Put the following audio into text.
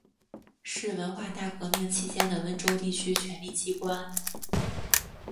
是文化大革命期间的温州地区权力机关。